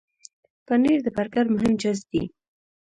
پنېر د برګر مهم جز دی.